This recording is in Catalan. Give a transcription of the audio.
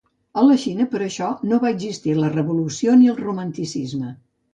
A la Xina, per això, no va existir la revolució ni el romanticisme.